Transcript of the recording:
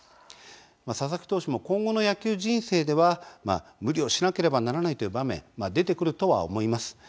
佐々木投手も今後の野球人生では無理をしなければならないという場面出てくるとは思います。